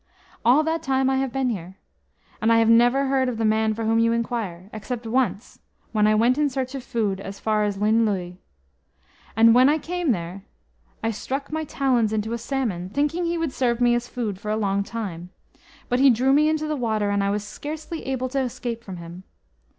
All that time I have been here, and I have never heard of the man for whom you inquire, except once when I went in search of food as far as Llyn Llyw. And when I came there, I struck my talons into a salmon, thinking he would serve me as food for a long time. But he drew me into the water, and I was scarcely able to escape from him.